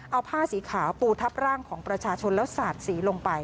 เอาผ้าสีขาวปูทับร่างของประชาชนแล้วสาดสีลงไป